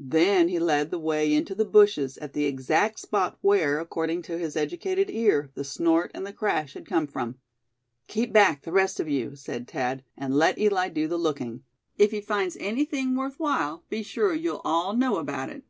Then he led the way into the bushes at the exact spot where, according to his educated ear, the snort and the crash had come from. "Keep back, the rest of you," said Thad, "and let Eli do the looking. If he finds anything worth while, be sure you'll all know about it."